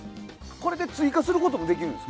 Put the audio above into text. これで追加することもできるんですか？